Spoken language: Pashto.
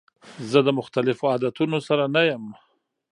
زه د مختلفو عادتونو سره نه یم.